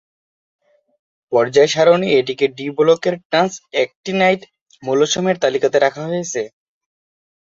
পর্যায় সারণী এটিকে ডি ব্লকের ট্রান্স-অ্যাক্টিনাইড মৌলসমূহের তালিকাতে রাখা হয়েছে।